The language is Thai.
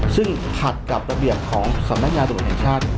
ซึ่งขัดกับระเบียบของสำนักงานตรวจแห่งชาติ